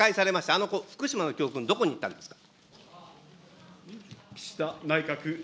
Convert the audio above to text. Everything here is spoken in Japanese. あの福島の教訓、どこに行ったんですか。